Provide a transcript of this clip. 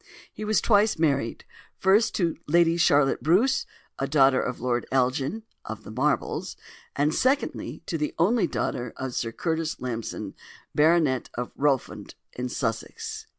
He was twice married—first, to Lady Charlotte Bruce, a daughter of Lord Elgin (of the Marbles); and secondly, to the only daughter of Sir Curtis Lampson, Bart., of Rowfant in Sussex."